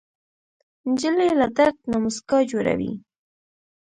نجلۍ له درد نه موسکا جوړوي.